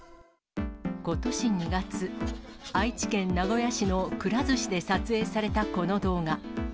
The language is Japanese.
ことし２月、愛知県名古屋市のくら寿司で撮影されたこの動画。